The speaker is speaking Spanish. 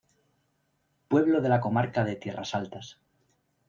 Pueblo de la Comarca de Tierras Altas.